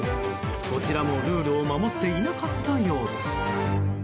こちらも、ルールを守っていなかったようです。